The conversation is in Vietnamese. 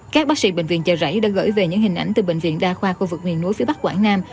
các bác sĩ bệnh viện chợ rẫy đã gửi về những hình ảnh từ bệnh viện đa khoa khu vực miền núi phía bắc quảng nam